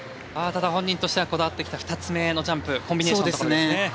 ただ本人としてはこだわってきた２つ目のジャンプコンビネーションが。